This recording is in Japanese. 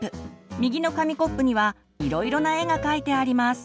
右の紙コップにはいろいろな絵が描いてあります。